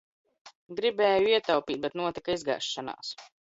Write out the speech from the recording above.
Gribēju ietaupīt, bet notika izgāšanās!